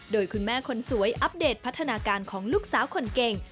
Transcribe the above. โดยคุณแม่คนสวยอัปเดตพัฒนาการของลูกสาวคนเก่ง